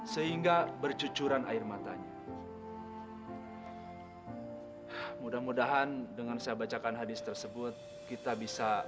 sehingga bercucuran air matanya mudah mudahan dengan saya bacakan hadis tersebut kita bisa